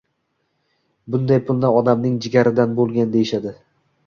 Bunday pulni “odamning jigaridan bo‘lgan” deyishadi.